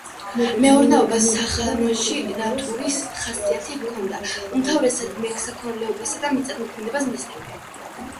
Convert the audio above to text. მეურნეობა სახანოში ნატურის ხასიათი ჰქონდა, უმთავრესად მესაქონლეობასა და მიწათმოქმედებას მისდევდნენ.